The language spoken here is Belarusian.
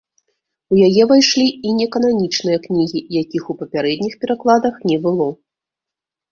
У яе ўвайшлі і некананічныя кнігі, якіх у папярэдніх перакладах не было.